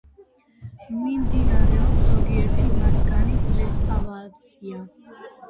მიმდინარეობს ზოგიერთი მათგანის რესტავრაცია.